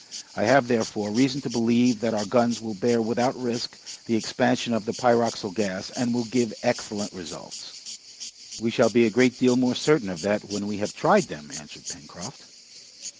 I have, therefore, reason to believe that our guns will bear without risk the expansion of the pyroxyle gas, and will give excellent results." "We shall be a great deal more certain of that when we have tried them!" answered Pencroft.